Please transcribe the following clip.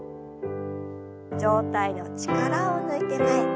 上体の力を抜いて前。